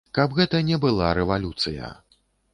Каб гэта не была рэвалюцыя.